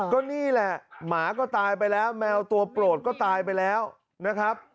ก็นี่แหละหมาก็ตายไปแล้วแมวตัวโปรดก็ตายไปแล้วนะครับ